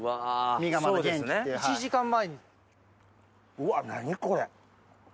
うわ何これ。